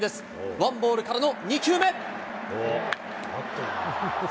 ワンボールからの２球目。